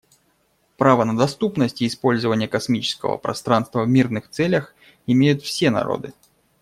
Право на доступность и использование космического пространства в мирных целях имеют все народы.